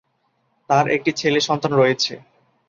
তার একটি ছেলে সন্তান রয়েছে।